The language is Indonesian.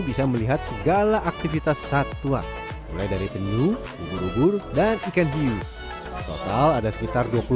bisa melihat segala aktivitas satwa mulai dari penyu ubur ubur dan ikan hiu total ada sekitar